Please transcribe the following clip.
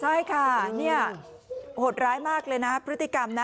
ใช่ค่ะเนี่ยโหดร้ายมากเลยนะพฤติกรรมนะ